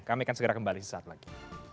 kami akan segera kembali saat lagi